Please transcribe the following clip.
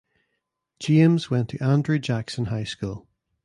James went to Andrew Jackson High School.